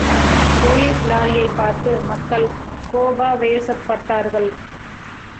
Police லாரியைப் பார்த்து மக்கள் கோபாவேசப் பட்டார்கள்.